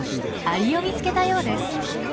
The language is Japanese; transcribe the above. アリを見つけたようです。